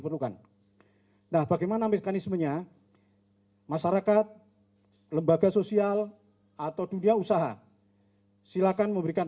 perlukan nah bagaimana mekanismenya masyarakat lembaga sosial atau dunia usaha silakan memberikan